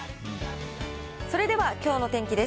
それではきょうの天気です。